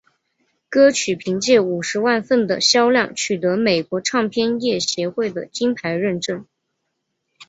歌曲凭借五十万份的销量取得美国唱片业协会的金牌认证。